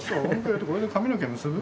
これで髪の毛結ぶ？